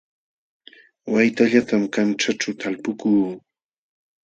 Waytallatam kanćhaaćhu talpukuu